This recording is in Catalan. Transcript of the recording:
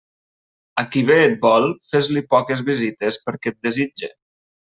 A qui bé et vol, fes-li poques visites perquè et desitge.